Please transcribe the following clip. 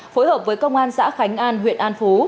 phối hợp với công an xã khánh an huyện an phú